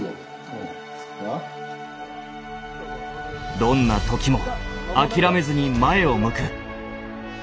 どんな時も諦めずに前を向く。